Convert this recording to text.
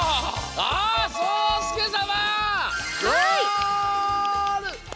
あそうすけさまゴール！